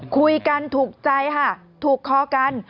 คุยกันถูกใจค่ะถูกคอกัน